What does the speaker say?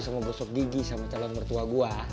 sama busok gigi sama calon mertua gue